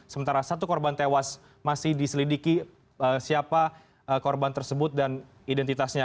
sementara satu korban tewas masih diselidiki siapa korban tersebut dan identitasnya